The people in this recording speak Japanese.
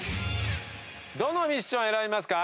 どのミッションを選びますか？